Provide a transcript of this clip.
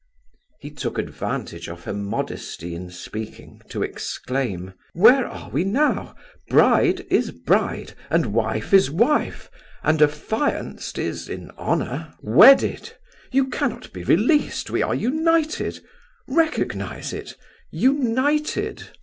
He took advantage of her modesty in speaking to exclaim. "Where are we now? Bride is bride, and wife is wife, and affianced is, in honour, wedded. You cannot be released. We are united. Recognize it; united.